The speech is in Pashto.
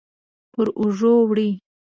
پر اوږو وړي